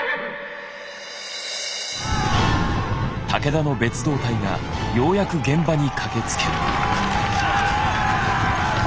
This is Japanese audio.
武田の別動隊がようやく現場に駆けつける。